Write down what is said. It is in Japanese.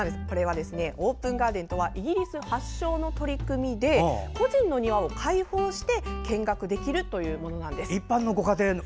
オープンガーデンとはイギリス発祥の取り組みで個人の庭を開放して見学できるというものです。